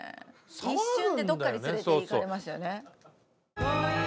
一瞬でどっかに連れて行かれますよね。